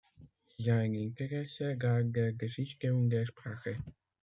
Sein Interesse galt der Geschichte und der Sprache.